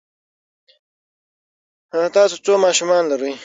تاسو څو ماشومان لرئ؟